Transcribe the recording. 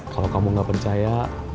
kalau kamu gak percaya